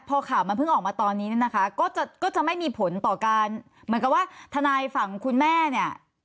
พอข่าวมันเพิ่งออกมาตอนนี้เนี่ยนะคะก็จะก็จะไม่มีผลต่อการเหมือนกับว่าทนายฝั่งคุณแม่เนี่ย